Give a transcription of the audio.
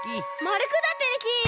まるくだってできる！